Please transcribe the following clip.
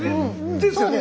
ですよね？